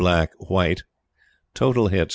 Black. White. Total Hits.